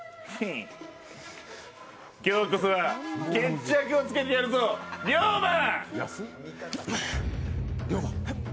今日こそは決着をつけてやるぞ、龍馬。